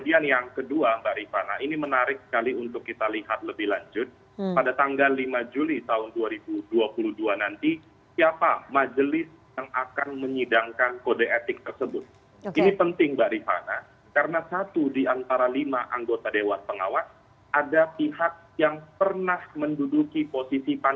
jangan kemana mana tetap bersama kami di cnn indonesia newsroom